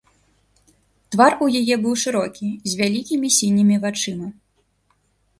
Твар у яе быў шырокі, з вялікімі сінімі вачыма.